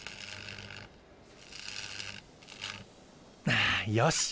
ああよし。